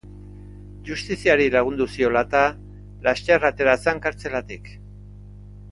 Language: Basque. Justiziari lagundu ziola eta, laster atera zen kartzelatik.